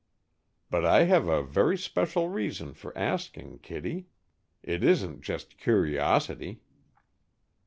"But I have a very special reason for asking, Kittie. It isn't just curiosity."